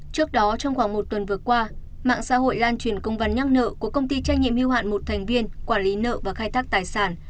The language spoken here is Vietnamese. của công ty trách nhiệm hiêu hạn một thành viên quản lý nợ và khai thác tài sản